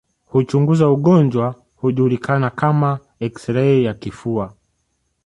Huchunguza ugonjwa hujulikana kama eksirei ya kifua